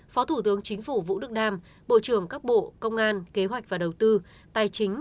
phó thủ tướng chính phủ vũ đức đam bộ trưởng các bộ công an kế hoạch và đầu tư tài chính